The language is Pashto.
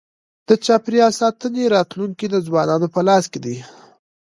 د چاپېریال ساتنې راتلونکی د ځوانانو په لاس کي دی.